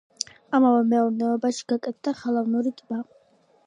ამავე მეურნეობაში გაკეთდა ხელოვნური ტბა.